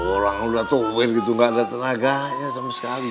orang udah tuh gitu gak ada tenaganya sama sekali